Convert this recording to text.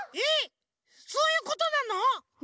えっそういうことなの？